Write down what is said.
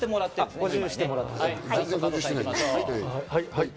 はい！